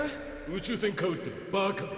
「宇宙船買う」ってバカ。